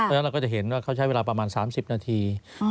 แล้วเราก็จะเห็นว่าเขาใช้เวลาประมาณ๓๐นาที